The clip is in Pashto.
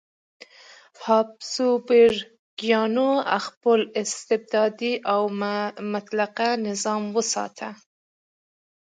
هابسبورګیانو خپل استبدادي او مطلقه نظام وساته.